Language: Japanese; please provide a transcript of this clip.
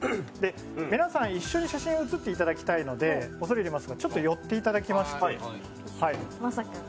皆さん、一緒に写真に写っていただきたいのでちょっと寄っていただきまして。